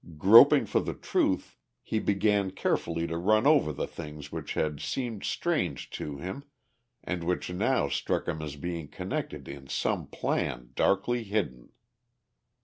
Groping for the truth, he began carefully to run over the things which had seemed strange to him and which now struck him as being connected in some plan darkly hidden.